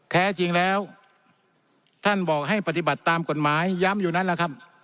แท้จริงแล้วท่านบอกให้ปฏิบัติตามกฎหมายย้ำอยู่นั่นแหละครับ